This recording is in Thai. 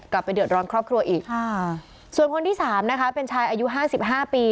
กลับไปเดือดร้อนครอบครัวอีกส่วนคนที่สามนะคะเป็นชายอายุ๕๕ปี